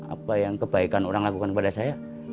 apa yang kebaikan orang lakukan kepada saya